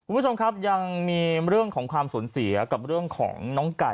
คุณผู้ชมครับยังมีเรื่องของความสูญเสียกับเรื่องของน้องไก่